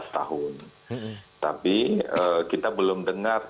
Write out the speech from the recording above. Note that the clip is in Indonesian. lima belas tahun kita belum berpercaya